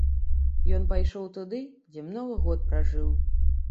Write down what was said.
Ён пайшоў туды, дзе многа год пражыў.